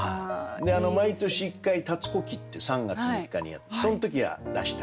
毎年１回立子忌って３月３日にやってその時は出したりして。